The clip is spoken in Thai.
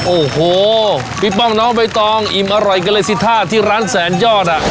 โอ้โหพี่ป้องน้องใบตองอิ่มอร่อยกันเลยสิท่าที่ร้านแสนยอดอ่ะ